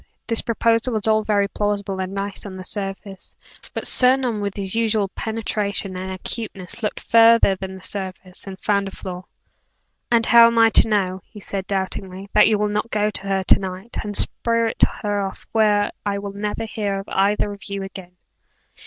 This proposal was all very plausible and nice on the surface, but Sir Norman with his usual penetration and acuteness, looked farther than the surface, and found a flaw. "And how am I to know," he asked, doubtingly, "that you will not go to her to night and spirit her off where I will never hear of either of you again?"